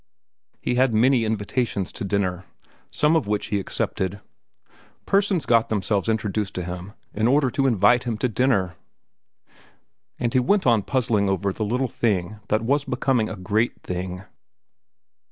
He had many invitations to dinner, some of which he accepted. Persons got themselves introduced to him in order to invite him to dinner. And he went on puzzling over the little thing that was becoming a great thing.